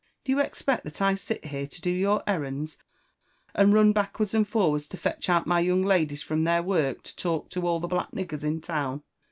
Do you expect that I sit here to do your errands, and run backwards and forwards to fetch out my young ladies from their work to talk to all the black niggers in town